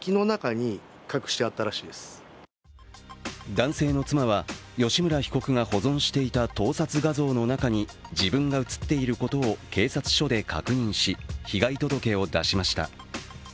男性の妻は吉村被告が保存していた盗撮画像の中に自分が映っていることを警察署で確認し被害届を出しました。